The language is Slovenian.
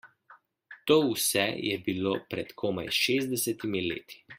To vse je bilo pred komaj šestdesetimi leti.